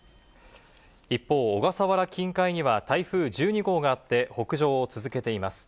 一方、小笠原近海には台風１２号があって、北上を続けています。